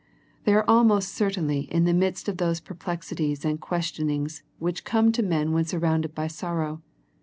They are almost certainly in the midst of those perplexities and questionings which come to men when surrounded by sorrow.